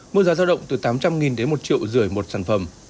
mức giá giao động từ tám trăm linh một năm trăm linh một sản phẩm